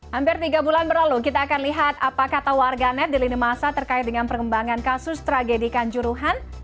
hampir tiga bulan berlalu kita akan lihat apa kata warganet di lini masa terkait dengan pengembangan kasus tragedi kanjuruhan